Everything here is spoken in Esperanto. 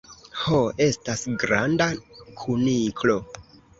Ho estas granda kuniklo.